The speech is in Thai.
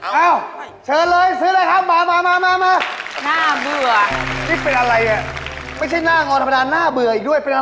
ทั่วประเทศนี่เค้าอยากได้เพื่อพี่กันเท่านั้นแหละ